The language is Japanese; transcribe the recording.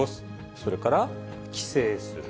それから帰省する。